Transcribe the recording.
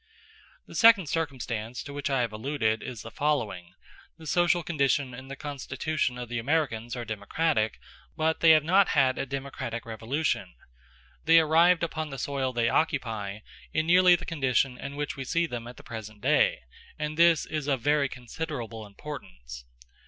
The second circumstance to which I have alluded is the following: the social condition and the constitution of the Americans are democratic, but they have not had a democratic revolution. They arrived upon the soil they occupy in nearly the condition in which we see them at the present day; and this is of very considerable importance.